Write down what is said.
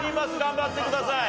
頑張ってください。